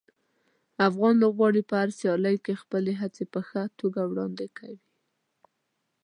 افغان لوبغاړي په هره سیالي کې خپلې هڅې په ښه توګه وړاندې کوي.